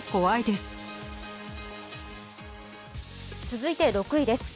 続いて６位です。